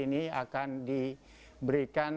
ini akan diberikan